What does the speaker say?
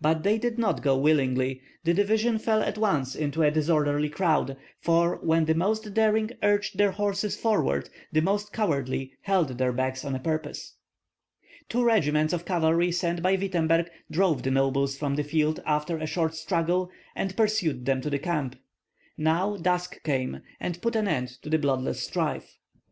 But they did not go willingly; the division fell at once into a disorderly crowd, for when the most daring urged their horses forward the most cowardly held theirs back on purpose. Two regiments of cavalry sent by Wittemberg drove the nobles from the field after a short struggle, and pursued them to the camp. Now dusk came, and put an end to the bloodless strife.